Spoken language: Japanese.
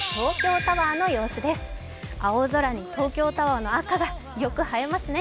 青空に東京タワーの赤がよく映えますね。